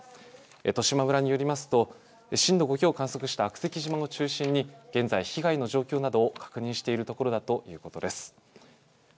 十島村によりますと震度５強を観測した悪石島を中心に現在、被害の状況などを確認しているところだということです。